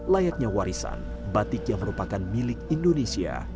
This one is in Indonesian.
layaknya warisan batik yang merupakan milik indonesia